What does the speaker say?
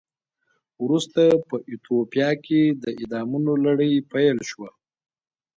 ورسته په ایتوپیا کې د اعدامونو لړۍ پیل شوه.